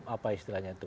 apa istilahnya itu